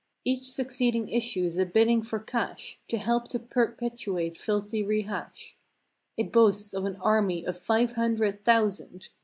Each succeeding issue's a bidding for cash To help to perpetuate filthy rehash. It boasts of an army of five hundred thousand!